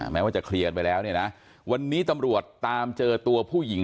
แม้ว่าจะเคลียร์กันไปแล้วเนี่ยนะวันนี้ตำรวจตามเจอตัวผู้หญิง